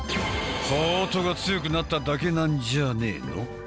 ハートが強くなっただけなんじゃねえの？